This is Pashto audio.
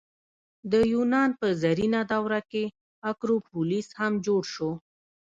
د یونان په زرینه دوره کې اکروپولیس هم جوړ شو.